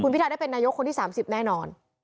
พิทาได้เป็นนายกคนที่๓๐แน่นอน